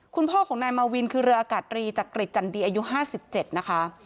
คุณพ่อของนายมาวินคือเรืออากาศรีจักริจจันดีอายุ๕๗นะคะ